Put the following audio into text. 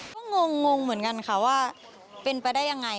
ก็งงเหมือนกันค่ะว่าเป็นไปได้ยังไง